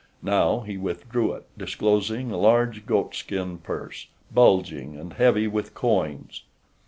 Now he withdrew it disclosing a large goatskin purse, bulging and heavy with coins.